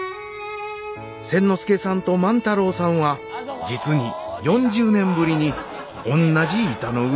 千之助さんと万太郎さんは実に４０年ぶりにおんなじ板の上に立ったのです。